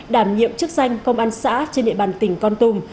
đảm nhiệm chức danh công an xã trên địa bàn tỉnh con tum